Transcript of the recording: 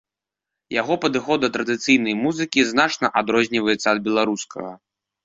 Яго падыход да традыцыйнай музыкі значна адрозніваецца ад беларускага.